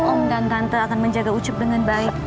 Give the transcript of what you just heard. om dan tante akan menjaga ucup dengan baik